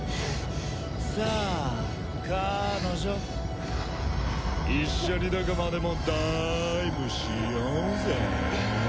さあ彼女一緒にどこまでもダイブしようぜ。